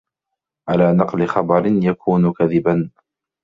عَلَى نَقْلِ خَبَرٍ يَكُونُ كَذِبًا